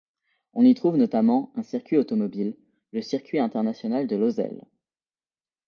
On y trouve notamment un circuit automobile, le circuit international de Losail.